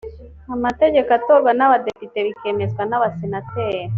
amategeko atorwa n’abadepite bikemezwa na abasenateri.